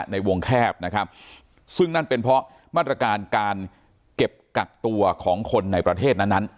ในวงแคบนะครับซึ่งนั่นเป็นเพราะมาตรการการเก็บกักตัวของคนในประเทศนั้นนั้น